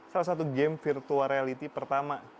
salah satu game virtual reality pertama